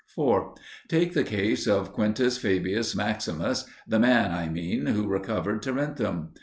4. Take the case of Q. Fabius Maximus, the man, I mean, who recovered Tarentum.